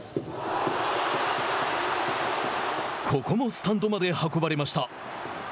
ここもスタンドまで運ばれました。